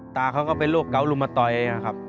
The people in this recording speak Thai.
ตาเขาก็เป็นโรคเกาลุมตอยนะครับ